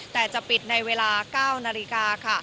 แต่จะปิดในเวลา๙นาฬิกาค่ะ